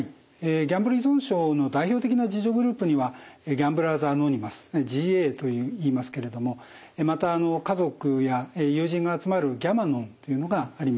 ギャンブル依存症の代表的な自助グループにはギャンブラーズ・アノニマスＧＡといいますけれどもまた家族や友人が集まるギャマノンというのがあります。